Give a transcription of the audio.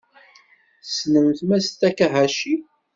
Tessnemt Mass Takahashi?